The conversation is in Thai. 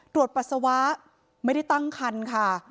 ปัสสาวะไม่ได้ตั้งคันค่ะ